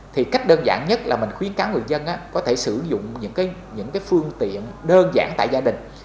thì cách đơn giản nhất là mình khuyến cáo người dân có thể sử dụng những phương tiện đơn giản tại gia đình